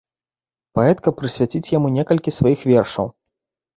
Паэтка прысвяціць яму некалькі сваіх вершаў.